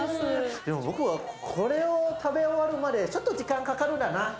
でも僕はこれを食べ終わるまでちょっと時間かかるんだな。